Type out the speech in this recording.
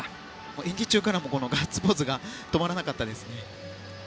演技中からもガッツポーズが止まらなかったですよね。